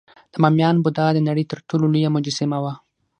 د بامیان بودا د نړۍ تر ټولو لویه مجسمه وه